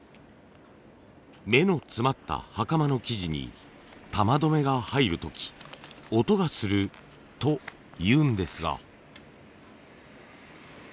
目の詰まった袴の生地に玉どめが入る時音がするというんですが。